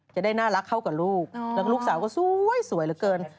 จะได้น่ารักเข้ากับลูกแล้วก็ลูกสาวก็สวยเหลือเกิน